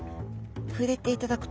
触れていただくと。